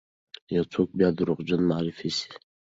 یو څوک بیا دروغجن معرفي سی،